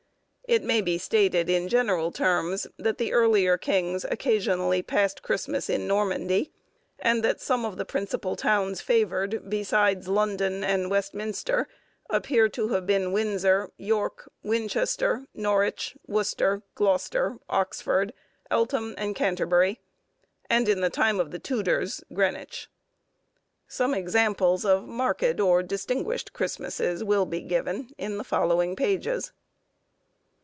It may be stated, in general terms, that the earlier kings occasionally passed Christmas in Normandy, and that some of the principal towns favoured, besides London and Westminster, appear to have been, Windsor, York, Winchester, Norwich, Worcester, Gloucester, Oxford, Eltham, and Canterbury; and in the time of the Tudors, Greenwich. Some examples of marked or distinguished Christmasses will be given in the following pages.